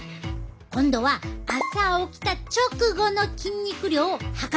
今度は朝起きた直後の筋肉量を測ってみた。